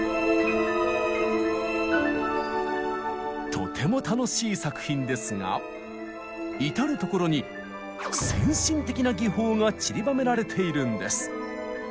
とても楽しい作品ですが至る所に先進的な技法がちりばめられているんです。